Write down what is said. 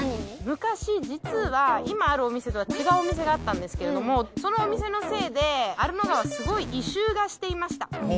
昔実は今あるお店とは違うお店があったんですけれどもそのお店のせいですごい異臭がしていました。